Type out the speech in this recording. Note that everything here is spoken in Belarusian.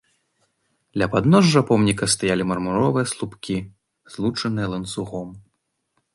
Ля падножжа помніка стаялі мармуровыя слупкі, злучаныя ланцугом.